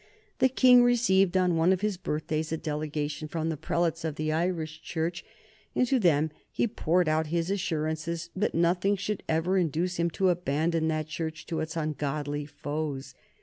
The King received, on one of his birthdays, a delegation from the prelates of the Irish Church, and to them he poured out his assurances that nothing should ever induce him to abandon that Church to its ungodly foes.